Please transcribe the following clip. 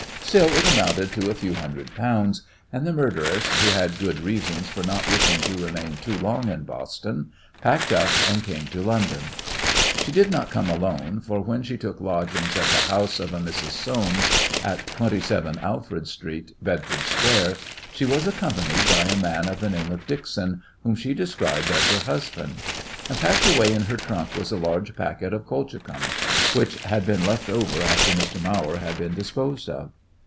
Still, it amounted to a few hundred pounds, and the murderess, who had good reasons for not wishing to remain too long in Boston, packed up and came to London. She did not come alone, for when she took lodgings at the house of a Mrs. Soames, at 27 Alfred Street, Bedford Square, she was accompanied by a man of the name of Dixon, whom she described as her husband. And packed away in her trunk was a large packet of colchicum, which had been left over after Mr. Mawer had been disposed of.